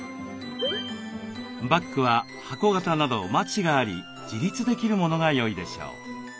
バッグは箱型などマチがあり自立できるものがよいでしょう。